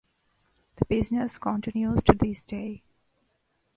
The business continues to this day.